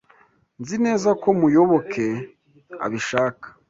Nzi neza ko Muyoboke abishaka.